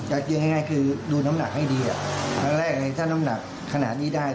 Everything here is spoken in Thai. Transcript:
จะยังไงคือดูน้ำหนักให้ดีอ่ะทั้งแรกถ้าน้ำหนักขนาดนี้ได้